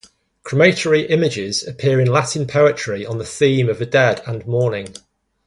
Crematory images appear in Latin poetry on the theme of the dead and mourning.